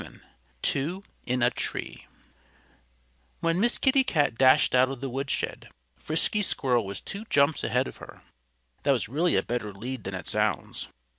VII TWO IN A TREE WHEN Miss Kitty Cat dashed out of the woodshed Frisky Squirrel was two jumps ahead of her. That was really a better lead than it sounds.